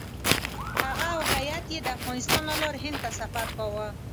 هغه او هیات یې د افغانستان له لارې هند ته سفر کاوه.